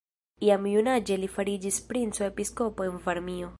Jam junaĝe li fariĝis princo-episkopo en Varmio.